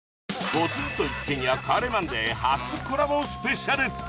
『ポツンと一軒家』『帰れマンデー』初コラボスペシャル！